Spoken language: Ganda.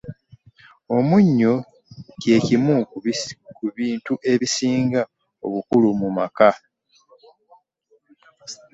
Omunnyo kye kimu ku bintu ebisinga obukulu mu maka.